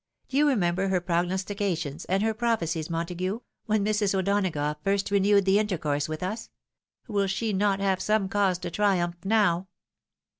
Do you remember her prognostications and her prophecies, Montague, when Mrs. O'Donagough first renewed the intercourse with us? Will she not have some cause to triumph now